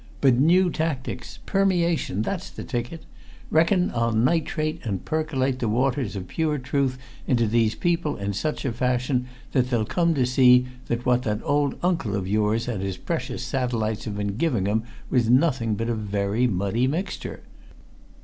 But new tactics! Permeation! that's the ticket. Reckon I'll nitrate and percolate the waters of pure truth into these people in such a fashion that they'll come to see that what that old uncle of yours and his precious satellites have been giving 'em was nothing but a very muddy mixture.